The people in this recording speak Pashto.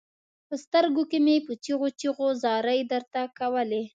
په سترګو کې مې په چيغو چيغو زارۍ درته کولې.